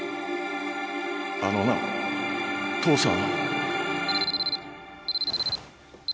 あのな父さん。